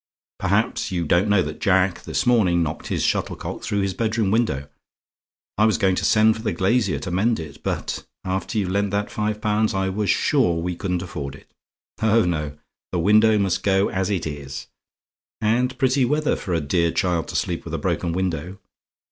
"Perhaps you don't know that Jack, this morning, knocked his shuttlecock through his bedroom window. I was going to send for the glazier to mend it; but after you lent that five pounds I was sure we couldn't afford it. Oh, no! the window must go as it is; and pretty weather for a dear child to sleep with a broken window.